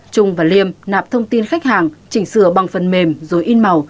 trung và liêm nạp thông tin khách hàng chỉnh sửa bằng phần mềm rồi in màu